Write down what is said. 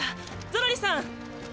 ゾロリさん。